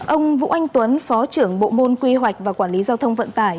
ông vũ anh tuấn phó trưởng bộ môn quy hoạch và quản lý giao thông vận tải